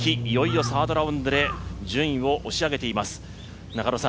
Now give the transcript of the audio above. いよいよサードラウンドで、順位を押し上げています。